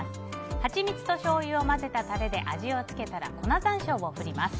ハチミツとしょうゆを混ぜたタレで味を付けたら粉山椒を振ります。